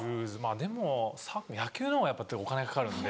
でも野球の方がやっぱお金かかるんで。